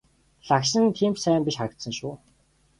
Лагшин нь тийм ч сайн биш харагдсан шүү.